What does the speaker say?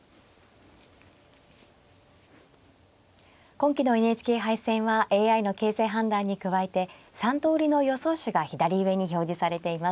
今期のＮＨＫ杯戦はＡＩの形勢判断に加えて３通りの予想手が左上に表示されています。